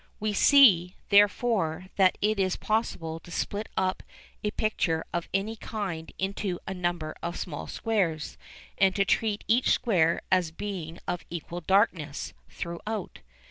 We see, therefore, that it is possible to split up a picture of any kind into a number of small squares and to treat each square as being of equal darkness throughout.